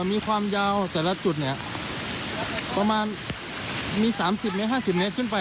มีความยาวแต่ละจุดประมาณมี๓๐๕๐เมตรขึ้นไป